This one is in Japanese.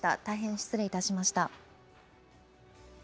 大変失礼いたしました。